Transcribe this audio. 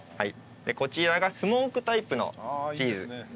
こちらがスモークタイプのチーズ。